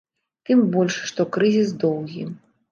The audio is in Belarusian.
Тым больш, што крызіс доўгі.